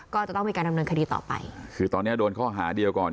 ก็จะต้องมีการดำเนินคดีต่อไปคือตอนเนี้ยโดนข้อหาเดียวก่อน